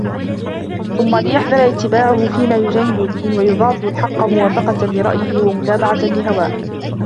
ثُمَّ لِيَحْذَرْ اتِّبَاعَهُ فِيمَا يُجَانِبُ الدِّينَ وَيُضَادُّ الْحَقَّ مُوَافَقَةً لِرَأْيِهِ وَمُتَابَعَةً لِهَوَاهُ